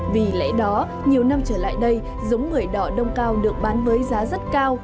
vì lẽ đó nhiều năm trở lại đây giống bưởi đỏ đông cao được bán với giá rất cao